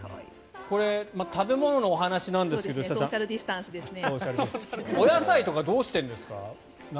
これ食べ物のお話なんですがお野菜とかどうしてるんですか？